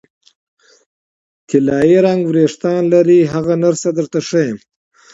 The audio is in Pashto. طلايي رنګه وریښتان لري، هغه نرسه درته ښیم.